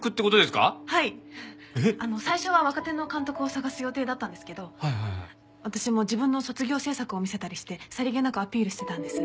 最初は若手の監督を探す予定だったんですけど私も自分の卒業制作を見せたりしてさりげなくアピールしてたんです。